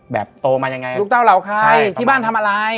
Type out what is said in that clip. โตมายังไงลูกเต้าเหล่าใครที่บ้านทำอะไร